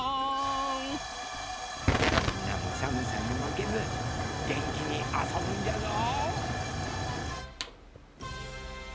みんなもさむさにまけずげんきにあそぶんじゃぞ。